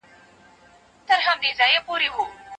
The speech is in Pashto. لومړی د منځګړو دندي.